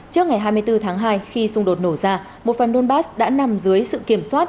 trước ngày hai mươi bốn tháng hai khi xung đột nổ ra một phần donbass đã nằm dưới sự kiểm soát